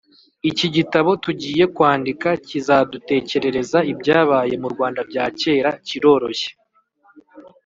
-iki gitabo tugiye kwandika kizadutekerereza ibyabaye mu rwanda bya kera, kiroroshye,